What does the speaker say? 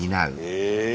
へえ！